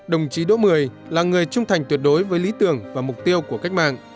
đồng chí đỗ mười là người trung thành tuyệt đối với lý tưởng và mục tiêu của cách mạng